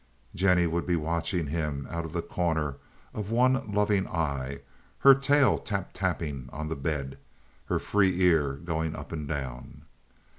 Jennie would be watching him out of the corner of one loving eye, her tail tap tapping on the bed, her free ear going up and down.